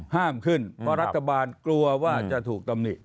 ห้ามขึ้นเพราะรัฐบาลกลัวว่าจะถูกตำหนิ